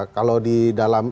kalau di dalam ilmu